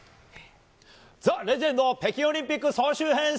ＴＨＥレジェンド北京オリンピック総集編